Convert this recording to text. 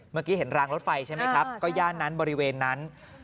เมื่อกี้เห็นรางรถไฟใช่ไหมครับก็ย่านนั้นบริเวณนั้น